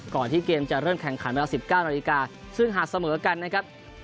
ก่อนที่เกมจะเริ่มแข่งขันวัน๑๙นาทีซึ่งหาเสมอกันนะครับ